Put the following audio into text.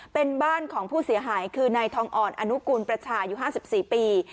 เป็นบ้านของผู้เสียหายคือนายทองอ่อนอนุกูลประชาอายุ๕๔ปี